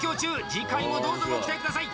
次回も、どうぞご期待下さい！